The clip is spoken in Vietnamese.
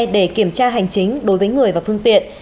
để kiểm tra hành chính đối với người và phương tiện